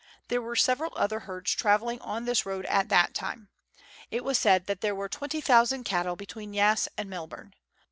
There were several other herds travelling on this road at the time. It was said that there were 20,000 cattle between Yass and Melbourne.